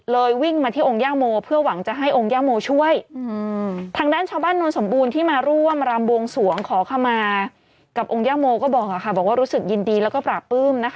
เลยวิ่งมาที่องค์ย่าโมเพื่อหวังจะให้องค์ย่าโมช่วยอืม